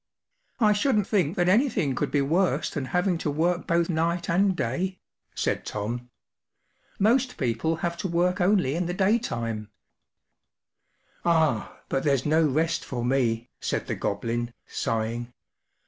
” “ I shouldn’t think that anything could be worse than having to work both night and day,” said Tom. “ Most people have to work only in the daytime.” “Ah, but there’s no rest for me,” said the Goblin, sighing.